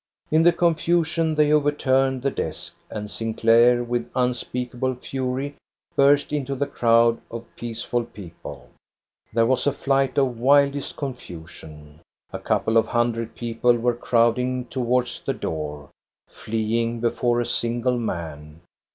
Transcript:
In the confusion they overturned the desk, and Sinclair with unspeakable fury burst into the crowd of peaceful people. There was a flight and wildest confusion. A couple of hundred people were crowding towards the door, fleeing before a single man.